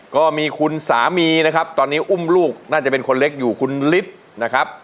ก็มีคุณสามีนะครับตอนนี้อุ้มลูกน่าจะเป็นคนเล็กอยู่คุณฤทธิ์นะครับ